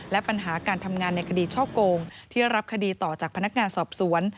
และปัญหาการทำงานในคดีช่อโกงที่รับคดีต่อจากพนักงานสอบสวน